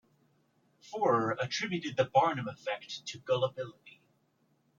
Forer attributed the Barnum effect to gullibility.